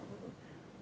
itu aja yang penting